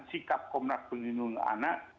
sikap komnas perlindungan anak